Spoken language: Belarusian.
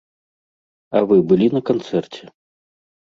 А вы былі на канцэрце?